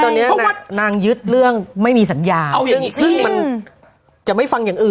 ตอนนี้นางยึดเรื่องไม่มีสัญญาซึ่งมันจะไม่ฟังอย่างอื่น